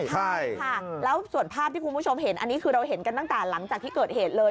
ใช่ค่ะแล้วส่วนภาพที่คุณผู้ชมเห็นอันนี้คือเราเห็นกันตั้งแต่หลังจากที่เกิดเหตุเลย